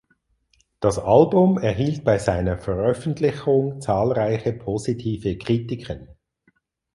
Das Album erhielt bei seiner Veröffentlichung zahlreiche positive Kritiken.